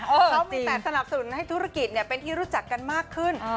เขามีแต่สนับสนุนให้ธุรกิจเป็นที่รู้จักกันมากขึ้น